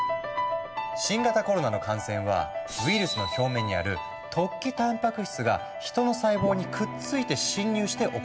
新型コロナの感染はウイルスの表面にある突起たんぱく質が人の細胞にくっついて侵入して起こる。